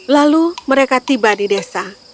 lalu mereka tiba di desa